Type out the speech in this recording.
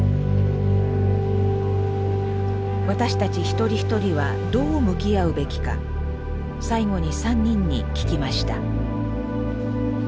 私たち一人一人はどう向き合うべきか最後に３人に聞きました。